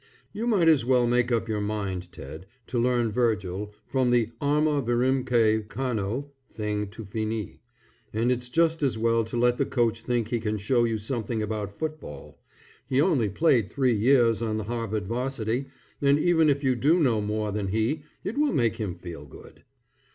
You might as well make up your mind, Ted, to learn Virgil, from the "Arma virumque cano" thing to Finis. And it's just as well to let the coach think he can show you something about football: he only played three years on the Harvard 'Varsity, and even if you do know more than he, it will make him feel good.